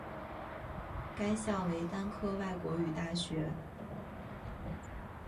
该校为单科外国语大学。